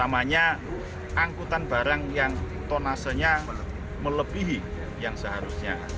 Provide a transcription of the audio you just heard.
masanya melebihi yang seharusnya